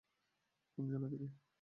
কোন জেলা থেকে?